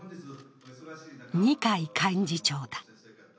二階幹事長だ。